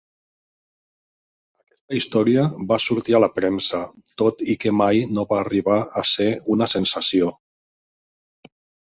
Aquesta història va sortir a la premsa, tot i que mai no va arribar a ser una sensació.